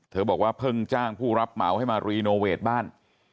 บอกว่าเพิ่งจ้างผู้รับเหมาให้มารีโนเวทบ้าน